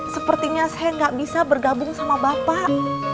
sepertinya saya nggak bisa bergabung sama bapak